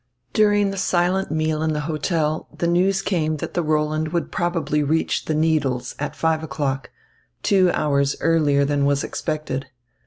During the silent meal in the hotel, the news came that the Roland probably would reach the Needles at five o'clock, two hours earlier than was expected.